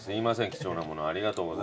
貴重なものありがとうございます。